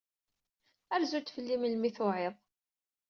Rzu-d fell-i melmi ay tuɛid.